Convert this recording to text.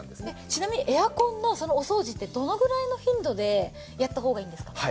ちなみにエアコンのお掃除ってどのくらいの頻度でやった方がいいんですかね？